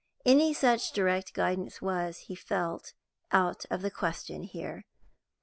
Any such direct guidance was, he felt, out of the question here.